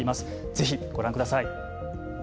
ぜひご覧ください。